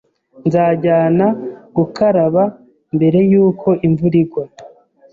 Nzajyana gukaraba mbere yuko imvura igwa.